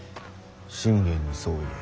信玄にそう言え。